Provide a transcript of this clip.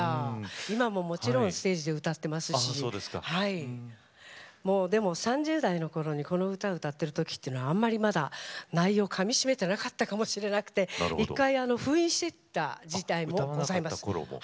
今ももちろん生で歌っていますしでも３０代のころにこの歌を歌っているときはあまり、まだ内容をかみしめていなかったかもしれなくていったん、封印していた時期もありました。